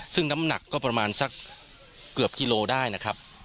ซึ่งน้ำหนักก็ประมาณสักเกือบกิโลได้นะครับ